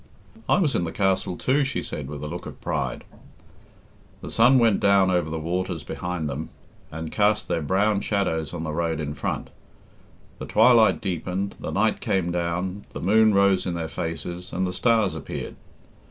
"I was in the castle, too," she said, with a look of pride. The sun went down over the waters behind them, and cast their brown shadows on the road in front; the twilight deepened, the night came down, the moon rose in their faces, and the stars appeared.